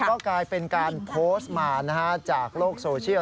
ก็กลายเป็นการโพสต์มาจากโลกโซเชียล